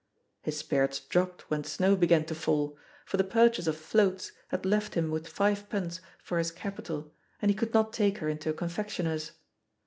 His spirits dropped when snow began to fall, for the purchase of Floats had left him with five pence for his capital and he could not take her into a confectioner's.